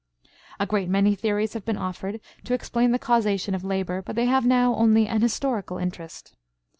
A great many theories have been offered to explain the causation of labor, but they have now only an historical interest.